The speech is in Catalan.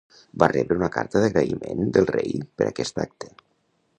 Va rebre una carta d'agraïment del rei per aquest acte.